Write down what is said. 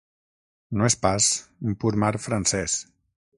No és pas un pur mar francès.